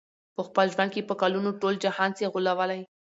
په خپل ژوند کي په کلونو، ټول جهان سې غولولای